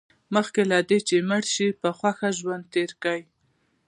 مخکې له دې چې مړ شئ په خوښۍ ژوند تېر کړئ.